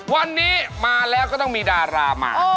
วันนี้มาแล้วก็ต้องมีดารามา